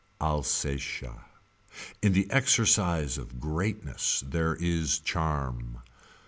Alsatia. In the exercise of greatness there is charm.